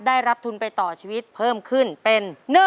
ได้รับทุนไปต่อชีวิตเพิ่มขึ้นเป็น